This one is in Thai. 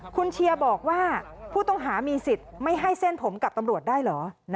คุณเชียร์บอกว่าผู้ต้องหามีสิทธิ์ไม่ให้เส้นผมกับตำรวจได้เหรอ